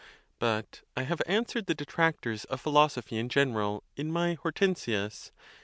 But I have answered the detractors of philosophy in general, in my Hortensius.